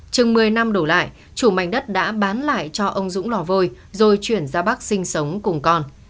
chừng một mươi năm đổ lại chủ mảnh đất đã bán lại cho ông dũng lò vôi rồi chuyển ra bắc sinh sống cùng con